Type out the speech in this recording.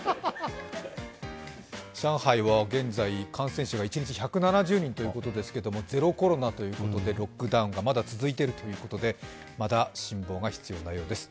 上海は現在、感染者が一日１７０人ということですが、ゼロコロナということでロックダウンがまだ続いているということでまだ辛抱が必要なようです。